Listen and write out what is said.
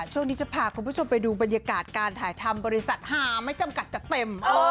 ช่วงนี้จะพาคุณผู้ชมไปดูบรรยากาศการถ่ายทำบริษัทหาไม่จำกัดจัดเต็ม